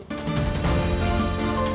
ternyata itu sudah terjadi